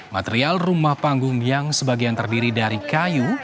material rumah panggung yang sebagian terdiri dari kayu